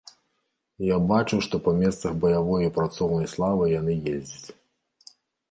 Я бачу, што па месцах баявой і працоўнай славы яны ездзяць.